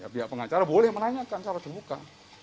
pihak pengacara boleh menanyakan cara dibuka